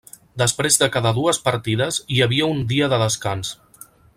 Després de cada dues partides hi havia un dia de descans.